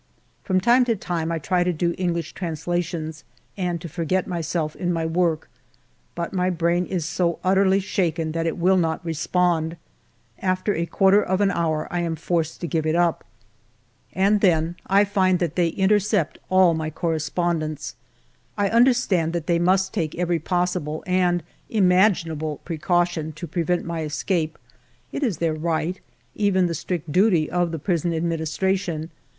From time to time I try to do English trans lations, and to forget myself in my work. But ii6 FIVE YEARS OF MY LIFE my brain is so utterly shaken that it will not re spond ; after a quarter of an hour I am forced to give it up. And then, I find that they intercept all my cor respondence. I understand that they must take every possible and imaginable precaution to pre vent my escape ; it is the right, even the strict duty, of the prison administration.